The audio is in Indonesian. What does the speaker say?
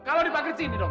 kalau di panggil sini dong